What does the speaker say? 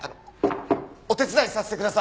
お手伝いさせてください。